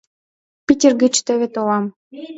Питер гыч теве толам.